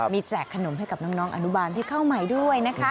มีแจกขนมให้กับน้องอนุบาลที่เข้าใหม่ด้วยนะคะ